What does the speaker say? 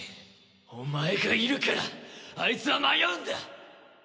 お前がいるからあいつは迷うんだ！